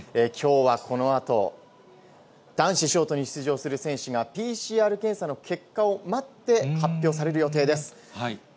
きょうはこのあと、男子ショートに出場する選手がＰＣＲ検査の結果を待って発表される予定です。